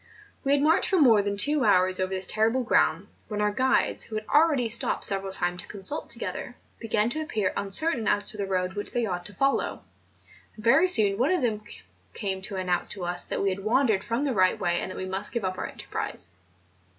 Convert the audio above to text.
We had marched for more than two hours over this terrible ground, when our guides, who had already stopped several times to consult together, began to appear uncertain as to the road which they ought to follow; and very soon one of them came to an¬ nounce to us that we had wandered from the right way, and that we must give up our enterprise.